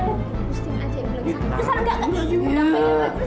pusing aja ibu